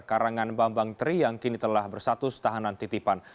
karangan bambang tri yang kini telah bersatus tahanan titipan